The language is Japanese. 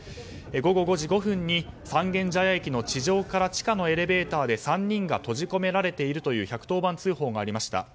午後５時５分に三軒茶屋駅の地上から地下のエレベーターで３人が閉じ込められているという１１０番通報がありました。